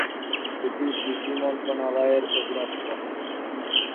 এটি কৃষি মন্ত্রণালয়ের অধীনস্থ।